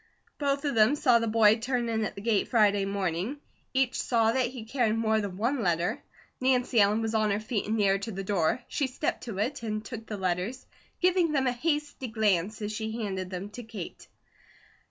Both of them saw the boy turn in at the gate Friday morning. Each saw that he carried more than one letter. Nancy Ellen was on her feet and nearer to the door; she stepped to it, and took the letters, giving them a hasty glance as she handed them to Kate.